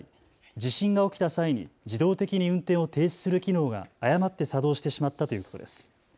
地震が起きた際に自動的に運転を停止する機能が誤って作動してしまったということです。